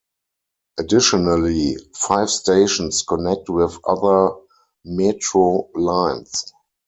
Additionally, five stations connect with other metro lines.